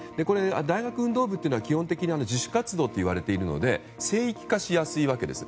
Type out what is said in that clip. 大学運動部というのは基本的に自主活動といわれているので聖域化しやすいわけです。